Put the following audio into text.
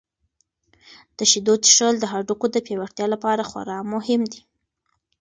د شیدو څښل د هډوکو د پیاوړتیا لپاره خورا مهم دي.